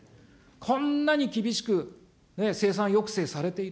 こんなに厳しく生産抑制されている。